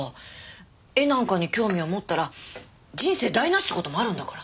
絵なんかに興味を持ったら人生台無しって事もあるんだから。